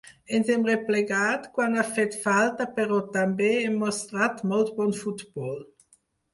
Ens hem replegat quan ha fet falta però també hem mostrat molt bon futbol.